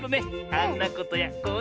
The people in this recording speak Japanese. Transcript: あんなことやこんなことね。